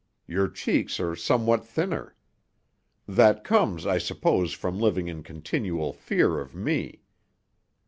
Your cheeks are somewhat thinner. That comes, I suppose, from living in continual fear of me.